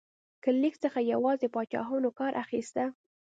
له لیک څخه یوازې پاچاهانو کار اخیسته.